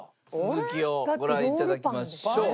続きをご覧頂きましょう。